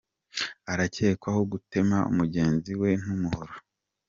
Arakekwaho gutema mugenzi we n’umuhoro